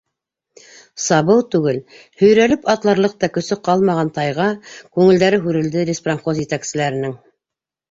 Сабыу түгел, һөйрәлеп атларлыҡ та көсө ҡалмаған тайға күңелдәре һүрелде леспромхоз етәкселәренең.